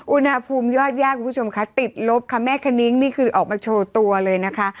อุณหภูมิยอดยากคุณผู้ชมคะติดลบค่ะแม่คณิ้งนี่คือออกมาโชว์ตัวเลยนะคะ